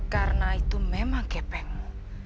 karena itu memang kepekmu